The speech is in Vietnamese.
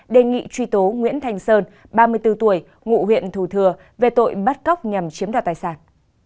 đề nghị truy tố nguyễn thành sơn ba mươi bốn tuổi ngụ huyện thủ thừa về tội bắt cóc nhằm chiếm đoạt tài sản